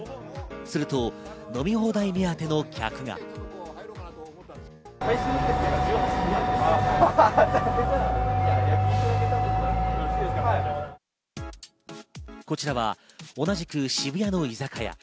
すると、飲み放題目当ての客が。こちらは同じく渋谷の居酒屋。